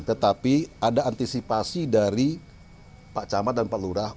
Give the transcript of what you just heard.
tetapi ada antisipasi dari pak camat dan pak lurah